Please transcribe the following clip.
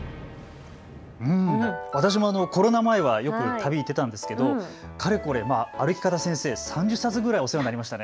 私もコロナ前はよく旅に行っていたんですけれどもかれこれ歩き方には３０冊ぐらい、お世話になりました。